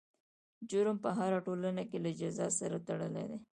جرم په هره ټولنه کې له جزا سره تړلی دی.